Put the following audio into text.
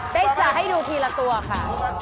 จะให้ดูทีละตัวค่ะ